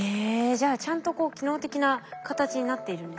じゃあちゃんとこう機能的な形になっているんですね。